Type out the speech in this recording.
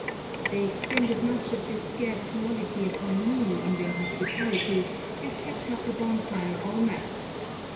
They expended much of this scarce commodity upon me in their hospitality, and kept up a bonfire all night.